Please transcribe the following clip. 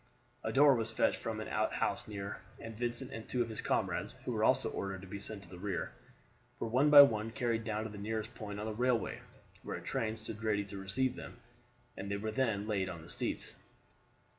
A door was fetched from an out house near, and Vincent and two of his comrades, who were also ordered to be sent to the rear, were one by one carried down to the nearest point on the railway, where a train stood ready to receive them, and they were then laid on the seats.